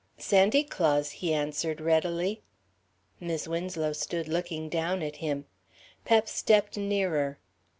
"Sandy Claus," he answered readily. Mis' Winslow stood looking down at him. Pep stepped nearer.